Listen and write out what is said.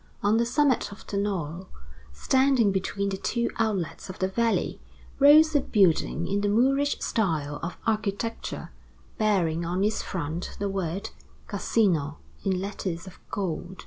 On the summit of the knoll, standing between the two outlets of the valley, rose a building in the Moorish style of architecture, bearing on its front the word "Casino" in letters of gold.